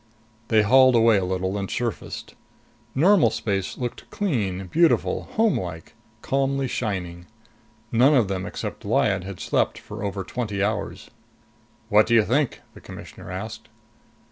They hauled away a little and surfaced. Normal space looked clean, beautiful, homelike, calmly shining. None of them except Lyad had slept for over twenty hours. "What do you think?" the Commissioner asked.